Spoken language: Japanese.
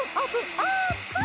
オープン！